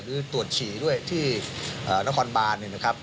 หรือตรวจฉี่ด้วยที่นครบาน